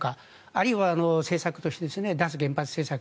あるいは政策として脱原発政策